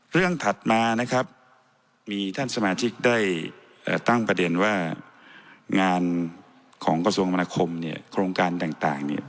ถัดมานะครับมีท่านสมาชิกได้ตั้งประเด็นว่างานของกระทรวงมนาคมเนี่ยโครงการต่างเนี่ย